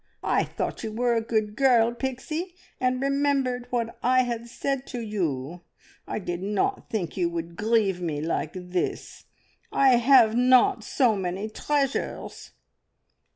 I thought you were a good girl, Pixie, and remembered what I had said to you. I did not think you would grieve me like this. I have not so many treasures!"